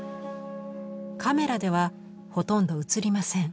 カメラではほとんど写りません。